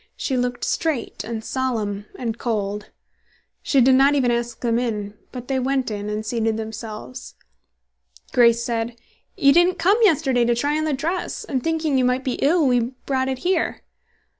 She looked straight, and solemn, and cold. She did not even ask them in; but they went in and seated themselves. Grace said, "You didn't come yesterday to try on the dress, and thinking you might be ill, we brought it here."